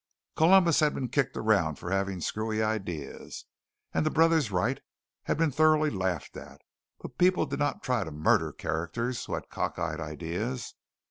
Columbus had been kicked around for having screwy ideas, and the Brothers Wright had been thoroughly laughed at. But people did not try to murder characters who had cockeyed ideas.